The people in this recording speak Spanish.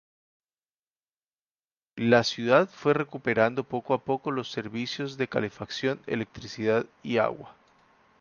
La ciudad fue recuperando poco a poco los servicios de calefacción, electricidad y agua.